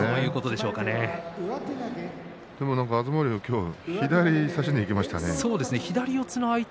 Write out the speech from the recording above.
でも東龍左を差しにいきましたね。